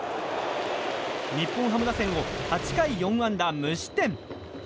日本ハム打線を８回４安打無失点。